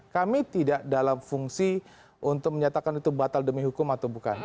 kami tidak dalam fungsi untuk menyatakan itu batal demi hukum atau bukan